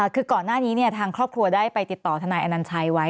คือก่อนหน้านี้ทางครอบครัวได้ไปติดต่อทนายอนัญชัยไว้